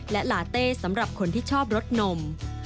และลาเต้สำหรับคนที่ชอบรสนม